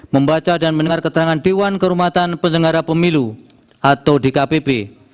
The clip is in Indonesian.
membaca dan mendengar keterangan dewan kehormatan penyelenggara pemilu atau dkpp